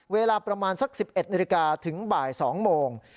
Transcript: เวลาประมาณสัก๑๑นาฬิกาถึงบ่าย๒โมง